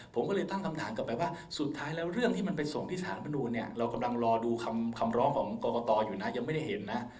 ผมก็เลยตั้งคำถามกลับไปว่าสุดท้ายแล้วเรื่องที่มันไปส่งที่สถานประนูนเนี่ยเรากำลังรอดูคำร้องของกรกตอยู่นะยังไม่ได้เห็นนะ